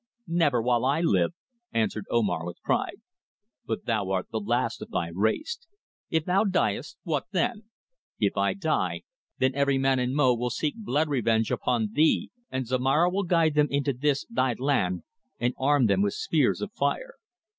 "Never, while I live," answered Omar with pride. "But thou art the last of thy race. If thou diest what then?" "If I die, then every man in Mo will seek blood revenge upon thee, and Zomara will guide them into this, thy land, and arm them with spears of fire."